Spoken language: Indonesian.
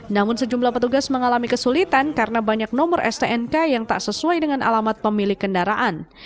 namun sejumlah petugas mengalami kesulitan karena banyak nomor stnk yang tak sesuai dengan alamat pemilik kendaraan